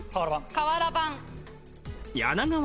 瓦版。